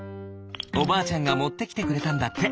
おばあちゃんがもってきてくれたんだって。